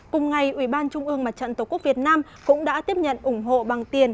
cùng ngày ủy ban trung ương mặt trận tổ quốc việt nam cũng đã tiếp nhận ủng hộ bằng tiền